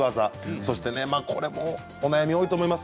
そしてこれもお悩みが多いと思います。